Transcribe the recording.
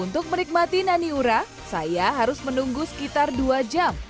untuk menikmati naniura saya harus menunggu sekitar dua jam